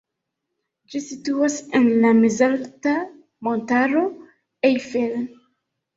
Ĝi situas en la mezalta montaro Eifel.